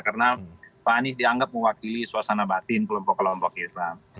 karena pak anies dianggap mewakili suasana batin kelompok kelompok islam